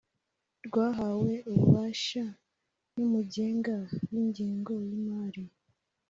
rwahawe ububasha n umugenga w ingego y imari